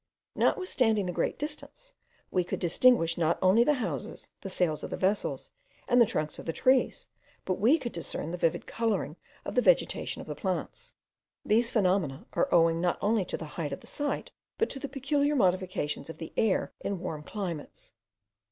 Notwithstanding the great distance, we could distinguish not only the houses, the sails of the vessels, and the trunks of the trees, but we could discern the vivid colouring of the vegetation of the plains. These phenomena are owing not only to the height of the site, but to the peculiar modifications of the air in warm climates.